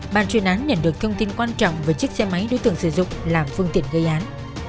bàn chuyên án nhận được thông tin quan trọng về chiếc xe máy đối tượng sử dụng làm phương tiện gây án